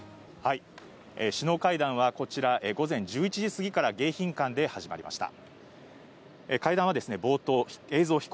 首脳会談はこちら午前１１時過ぎから迎賓館で始まりました。